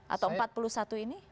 atau empat puluh satu ini